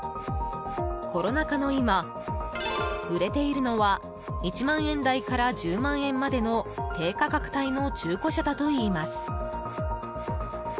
コロナ禍の今、売れているのは１万円台から１０万円までの低価格帯の中古車だといいます。